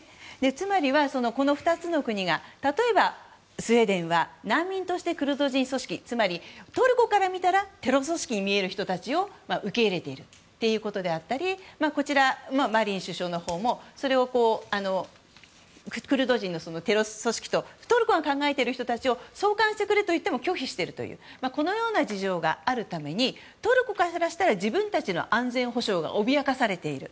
つまりは、この２つの国が例えばスウェーデンは難民としてクルド人組織つまりトルコから見たらテロ組織に見える人たちを受け入れているということであったりこちら、マリン首相のほうもそれをクルド人のテロ組織とトルコが考えている人たちを送還してくれと言っても拒否しているという事情があるために、トルコからしたら自分たちの安全保障が脅かされている。